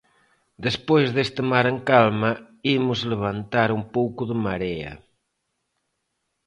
Despois deste mar en calma imos levantar un pouco de marea.